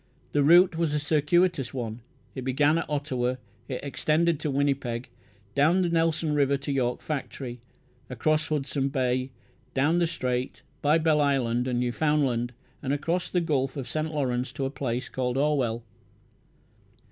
The route was a circuitous one. It began at Ottawa; it extended to Winnipeg, down the Nelson River to York Factory, across Hudson Bay, down the Strait, by Belle Isle and Newfoundland, and across the Gulf of St. Lawrence to a place called Orwell.